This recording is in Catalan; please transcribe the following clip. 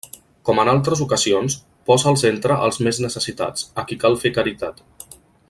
Com en altres ocasions, posa al centre els més necessitats, a qui cal fer caritat.